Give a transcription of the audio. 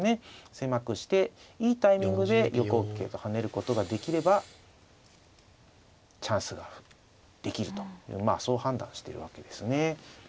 狭くしていいタイミングで４五桂と跳ねることができればチャンスができるとそう判断しているわけですね。